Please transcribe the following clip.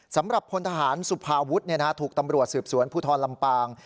สำหรับพลทหารสุภาวุฒิถูกตำรวจสืบสวนภูทรลำปาง